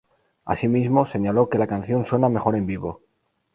Asimismo, señaló que la canción suena mejor en vivo.